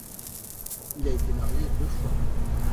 Il a été marié deux fois.